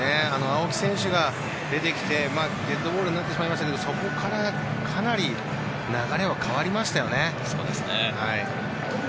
青木選手が出てきてデッドボールになってしまいましたがそこからかなり流れは変わりましたよね。